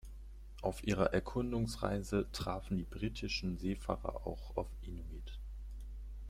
Auf ihrer Erkundungsreise trafen die britischen Seefahrer auch auf Inuit.